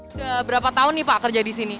sudah berapa tahun nih pak kerja di sini